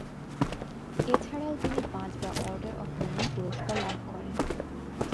এছাড়াও তিনি পাঁচবার অর্ডার অব লেনিন পুরস্কার লাভ করেন।